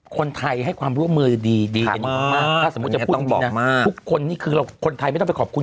คนไทยให้ความร่วมร่วมมือดีแล้วคุณไทยคุณไม่ต้องขอบคุณ